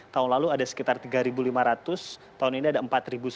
tahun lalu ada sekitar rp tiga lima ratus tahun ini ada rp empat seratus